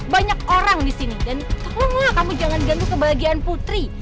banyak orang disini dan tolonglah kamu jangan diganggu kebahagiaan putri